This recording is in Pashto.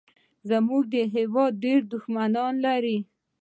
زمونږ هېواد ډېر دوښمنان لري